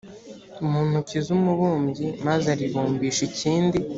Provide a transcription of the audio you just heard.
mu ntoki z umubumbyi maze aribumbisha ikindi